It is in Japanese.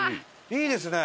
いいですね！